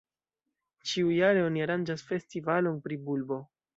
Ĉiujare oni aranĝas festivalon pri bulbo.